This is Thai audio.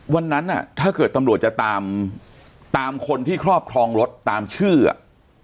วันนั้นอ่ะถ้าเกิดตำรวจจะตามตามคนที่ครอบครองรถตามชื่ออ่ะ